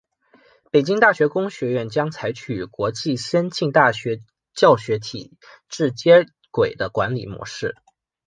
北京大学工学院将采取与国际先进大学教育体制接轨的管理模式。